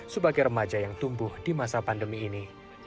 sebagai remaja yang tumbuh di masa pandemi ini